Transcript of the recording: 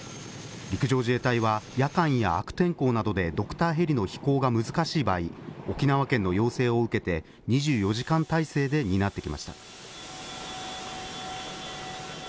陸上自衛隊は、夜間や悪天候などでドクターヘリの飛行が難しい場合、沖縄県の要請を受けて２４時間態勢で担ってきました。